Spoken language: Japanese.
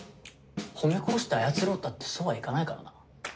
褒め殺して操ろうったってそうはいかないからな。